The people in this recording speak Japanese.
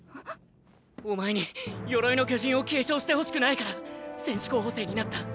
お前に鎧の巨人を継承してほしくないから戦士候補生になった。